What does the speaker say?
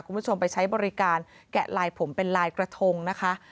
คุณผู้ชมไปใช้บริการแกะลายผมเป็นลายกระทงนะคะ